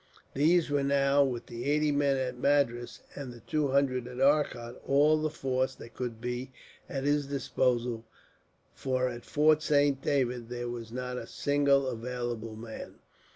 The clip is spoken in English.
These were now, with the eighty men at Madras, and the two hundred at Arcot, all the force that could be at his disposal, for at Fort Saint David there was not a single available man.